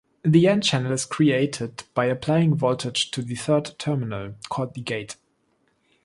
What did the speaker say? The n-channel is created by applying voltage to the third terminal, called the gate.